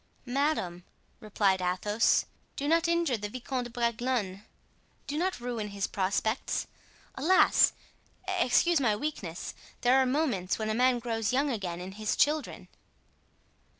"Madame," replied Athos, "do not injure the Vicomte de Bragelonne—do not ruin his prospects. Alas! excuse my weakness! There are moments when a man grows young again in his children."